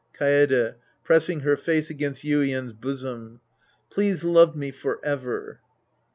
Kaede {pressing her face against Yuien's bosom). Please love me forever.